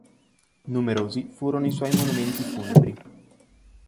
Numerosi furono i suoi monumenti funebri.